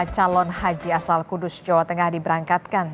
satu tiga ratus sembilan puluh lima calon haji asal kudus jawa tengah diberangkatkan